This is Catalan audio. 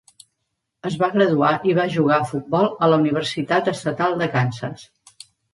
Es va graduar i va jugar a futbol a la Universitat Estatal de Kansas.